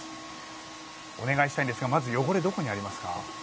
お願いしたいんですがまず汚れはどこにありますか。